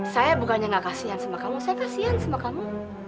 saya bukannya gak kasian sama kamu saya kasihan sama kamu